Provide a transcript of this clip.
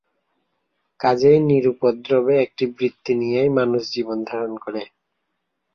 কাজেই নিরুপদ্রবে একটি বৃত্তি নিয়েই মানুষ জীবন-ধারণ করে।